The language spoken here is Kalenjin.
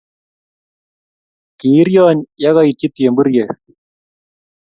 kiiryony ya koityi temburiek